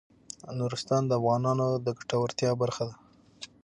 نورستان د افغانانو د ګټورتیا برخه ده.